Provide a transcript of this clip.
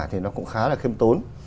thì nó cũng khá là khiêm tốn